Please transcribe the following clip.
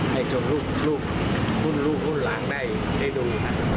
ให้คนรุ่นหลางได้ได้ดู